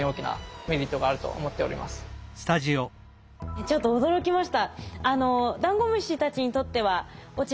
ちょっと驚きました。